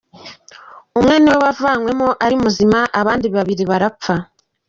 Umwe niwe wavanywemo ari muzima, abandi babiri barapfa.